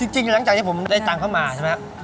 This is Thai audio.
หลังจากที่ผมได้ตังค์เข้ามาใช่ไหม